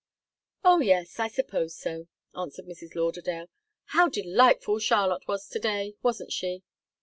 "Oh, yes! I suppose so," answered Mrs. Lauderdale. "How delightful Charlotte was to day, wasn't she?"